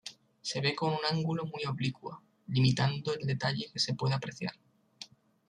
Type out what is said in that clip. Se ve con un ángulo muy oblicuo, limitando el detalle que se puede apreciar.